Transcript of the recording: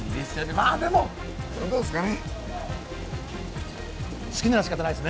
まぁでもどうですかね？